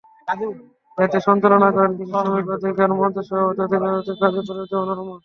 এতে সঞ্চালনা করেন কৃষি শ্রমিক অধিকার মঞ্চের সভাপতি অর্থনীতিবিদ কাজী খলীকুজ্জমান আহমদ।